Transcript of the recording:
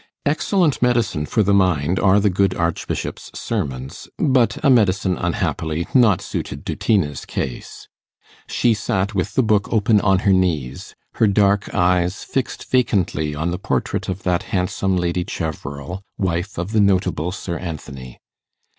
Excellent medicine for the mind are the good Archbishop's sermons, but a medicine, unhappily, not suited to Tina's case. She sat with the book open on her knees, her dark eyes fixed vacantly on the portrait of that handsome Lady Cheverel, wife of the notable Sir Anthony.